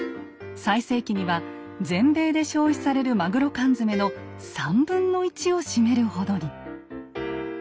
最盛期には全米で消費されるマグロ缶詰の３分の１を占めるほどに。